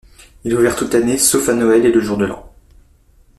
Il est ouvert toute l'année sauf à Noël et le Jour de l'an.